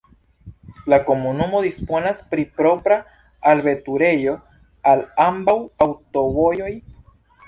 La komunumo disponas pri propra alveturejo al ambaŭ aŭtovojoj.